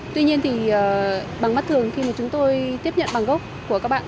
tuy nhiên thì bằng mắt thường khi mà chúng tôi tiếp nhận bằng gốc của các bạn